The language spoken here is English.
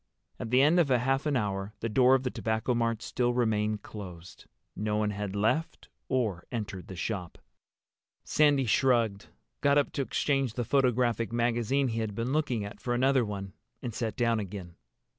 At the end of half an hour the door of the Tobacco Mart still remained closed. No one had left or entered the shop. Sandy shrugged, got up to exchange the photographic magazine he had been looking at for another one, and sat down again.